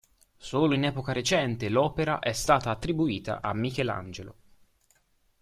Solo in epoca recente l'opera è stata attribuita a Michelangelo.